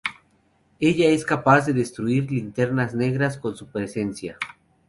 Ella es capaz de destruir Linternas Negras con su presencia.